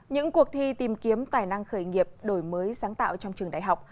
những cuộc thi tìm kiếm tài năng khởi nghiệp đổi mới sáng tạo trong trường đại học